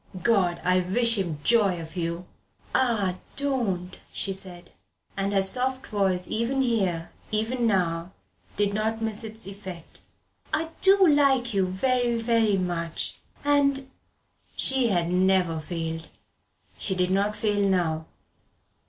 God, I wish him joy of you!" "Ah don't," she said, and her soft voice even here, even now, did not miss its effect. "I do like you very, very much and " She had never failed. She did not fail now.